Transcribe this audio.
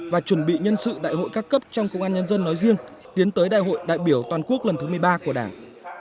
và chuẩn bị nhân sự đại hội các cấp trong công an nhân dân nói riêng tiến tới đại hội đại biểu toàn quốc lần thứ một mươi ba của đảng